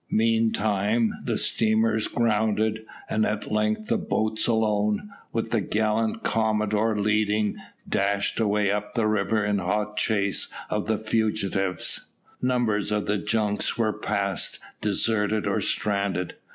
Meantime, the steamers grounded, and at length the boats alone, with the gallant commodore leading, dashed away up the river in hot chase of the fugitives. Numbers of junks were passed, deserted or stranded.